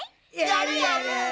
やるやる！